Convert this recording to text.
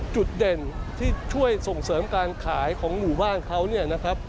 จุดเด่นที่ช่วยส่งเสริมการขายของหมู่บ้านเขา